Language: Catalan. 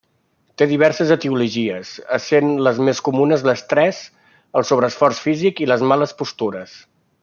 Té diverses etiologies, essent les més comunes l'estrès, el sobreesforç físic i les males postures.